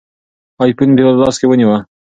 آیفون یې په لاس کې ونیوه.